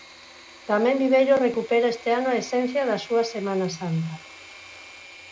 Tamén Viveiro recupera este ano a esencia da súa Semana Santa.